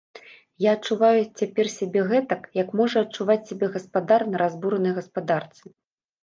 Я адчуваю цяпер сябе гэтак, як можа адчуваць сябе гаспадар на разбуранай гаспадарцы.